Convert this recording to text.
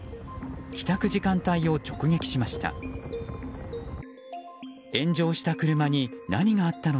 帰宅時間帯を直撃しました。